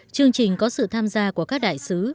chương trình có sự tham gia của các đại sứ